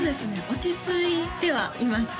落ち着いてはいます